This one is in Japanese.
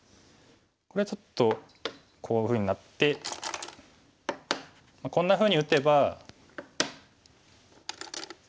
これちょっとこういうふうになってこんなふうに打てば。